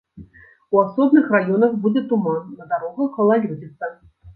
У асобных раёнах будзе туман, на дарогах галалёдзіца.